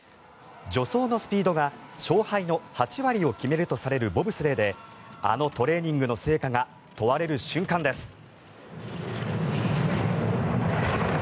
助走のスピードが勝敗の８割を決めるとされるボブスレーであのトレーニングの成果が問われる瞬間です。